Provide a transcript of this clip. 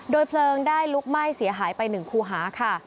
เพลิงได้ลุกไหม้เสียหายไป๑คู่หาค่ะ